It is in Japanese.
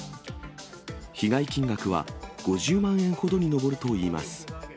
被害金額は５０万円ほどに上るといいます。